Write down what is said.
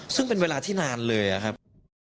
ซึ่งเป็นเวลาที่นานเลยอะครับ